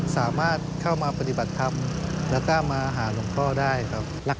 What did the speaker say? สามารถเข้ามาปฏิบัติธรรมแล้วก็มาหาหลวงพ่อได้ครับ